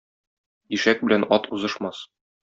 Ишәк белән ат узышмас.